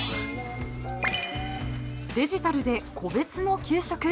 デジタルで個別の給食？